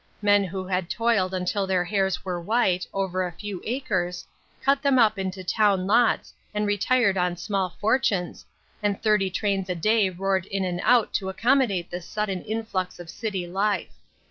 Men who had toiled until their hairs were white, over a few acres, cut them up into town lots and retired on small fortunes, and thirty trains a day roared in and out to accommo date this sudden influx of city life.